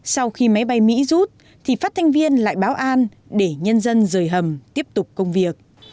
sau khi máy bay mỹ rút thì phát thanh viên lại báo an để nhân dân rời hầm tiếp tục công việc